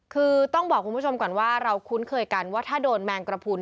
คือต้องบอกคุณผู้ชมก่อนว่าเราคุ้นเคยกันว่าถ้าโดนแมงกระพุน